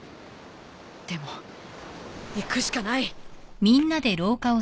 でも行くしかない。